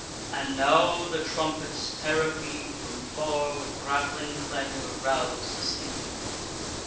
And now the trumpets terribly, from far, With rattling clangour, rouse the sleepy war.